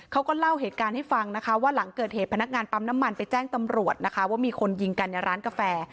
เขาก็เล่าเหตุการณ์ให้ฟังนะคะว่าหลังเกิดเหตุพนักงานปั๊มน้ำมันไปแจ้งตำรวจนะคะว่ามีคนยิงกันในร้านกาแฟ